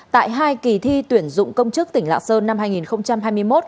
tại hai kỳ thi tuyển dụng công chức tỉnh lạng sơn năm hai nghìn hai mươi một